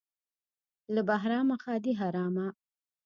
- له بهرامه ښادي حرامه.